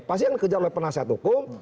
pasti yang dikejar oleh penasihat hukum